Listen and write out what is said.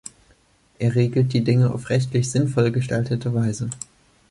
Er regelt die Dinge auf rechtlich sinnvoll gestaltete Weise.